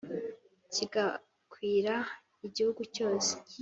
kigakwira igihugu cyose